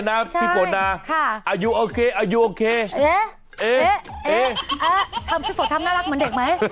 น่าจะเป็นฝาแฝดอ๋อ